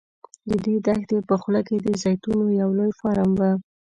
د دې دښتې په خوله کې د زیتونو یو لوی فارم و.